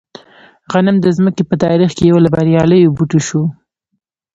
غنم د ځمکې په تاریخ کې یو له بریالیو بوټو شو.